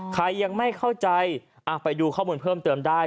ใครยังไม่เข้าใจไปดูข้อมูลเพิ่มเติมได้